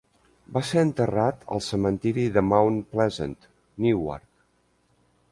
Va ser enterrat al cementiri de Mount Pleasant, Newark.